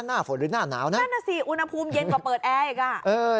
หน้าฝนหรือหน้าหนาวนะนั่นน่ะสิอุณหภูมิเย็นกว่าเปิดแอร์อีกอ่ะเออ